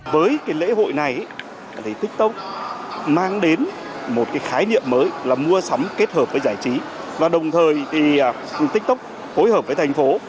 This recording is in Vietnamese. với lễ hội này tiktok mang đến một khái niệm mới là mua sắm kết hợp với giải trí và đồng thời tiktok phối hợp với thành phố